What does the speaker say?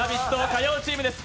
火曜チームです。